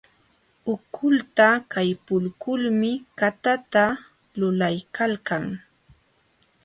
Utkuta kaypuykulmi katata lulaykalkan.